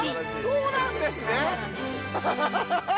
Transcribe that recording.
そうなんです。